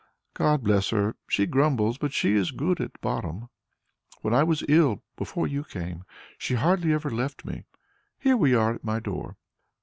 "God bless her! She grumbles, but she is good at bottom. When I was ill, before you came, she hardly ever left me. Here we are at my door."